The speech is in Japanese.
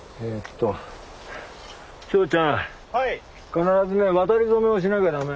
必ずね渡り初めをしなきゃ駄目。